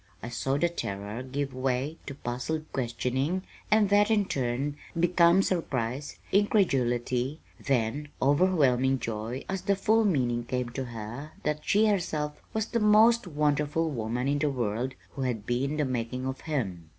I saw the terror give way to puzzled questioning, and that, in turn, become surprise, incredulity, then overwhelming joy as the full meaning came to her that she herself was that most wonderful woman in the world who had been the making of him.